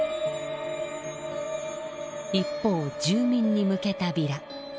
一方住民に向けたビラ。